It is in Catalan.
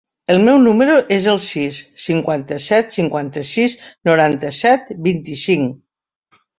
El meu número es el sis, cinquanta-set, cinquanta-sis, noranta-set, vint-i-cinc.